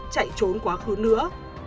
chạy trốn quá khứ nữa